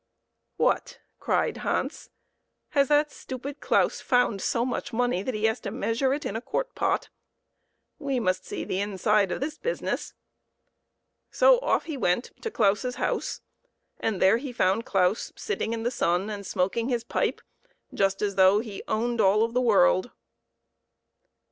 " What !" cried Hans, " has that stupid Claus found so much money that he has to meas ure it in a quart pot ? We must see the inside of this business !" So off he went to Claiis's house, and there he found Claus sitting in the sun and smoking his pipe, just as though he owned all of the world.